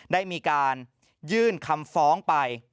ได้มีการยื่นคำฟ้องไป